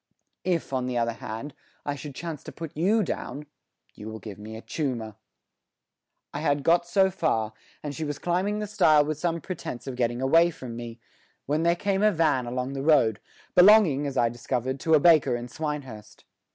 If, on the other hand, I should chance to put you down, you will give me a choomer." I had got so far, and she was climbing the stile with some pretence of getting away from me, when there came a van along the road, belonging, as I discovered, to a baker in Swinehurst.